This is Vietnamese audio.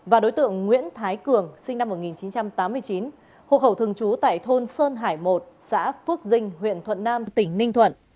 và đối tượng nguyễn thái cường sinh năm một nghìn chín trăm tám mươi chín hộ khẩu thường trú tại thôn sơn hải một xã phước dinh huyện thuận nam tỉnh ninh thuận